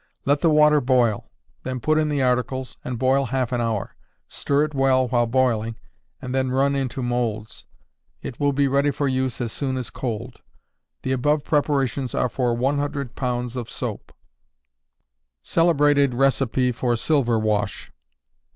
Let the water boil; then put in the articles, and boil half an hour. Stir it well while boiling, and then run into moulds. It will be ready for use as soon as cold. The above preparations are for 100 pounds of soap. _Celebrated Recipe for Silver Wash.